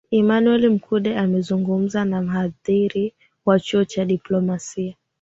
emanuel makunde amezungumza na mhadhiri wa chuo cha diplomasia